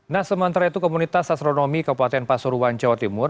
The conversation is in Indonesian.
nah sementara itu komunitas astronomi kabupaten pasuruan jawa timur